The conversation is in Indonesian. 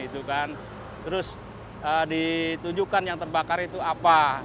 terus ditunjukkan yang terbakar itu apa